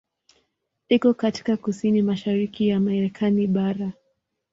Iko katika kusini-mashariki ya Marekani bara.